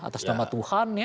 atas nama tuhan ya